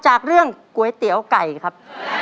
จากเรื่องก๋วยเตี๋ยวไก่ครับ